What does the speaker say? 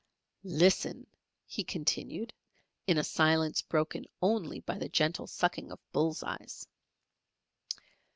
"Listen," he continued, in a silence broken only by the gentle sucking of bull's eyes.